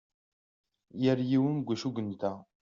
Yal yiwen deg wacu i yenta.